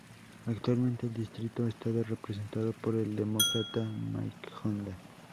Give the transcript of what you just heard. Actualmente el distrito está representado por el Demócrata Mike Honda.